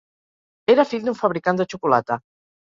Era fill d'un fabricant de xocolata.